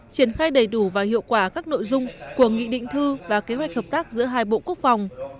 triển khai đầy đủ và hiệu quả các nội dung của nghị định thư và kế hoạch hợp tác giữa hai bộ quốc phòng